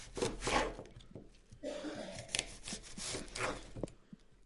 Curtis Miller Alternative High School is located in Alorton.